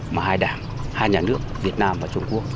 mà hai đảng hai nhà nước